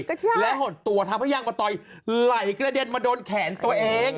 ก็ใช่และห่วงตัวทำให้ยางมะตอยไหลกระเด็นมาโดนแขนตัวเอง